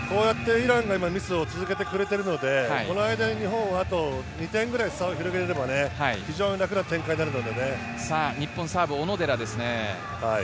イランが今、ミスを続けてくれているので、この間に日本はあと２点ぐらい差を広げられれば非日本サーブ、小野寺ですね。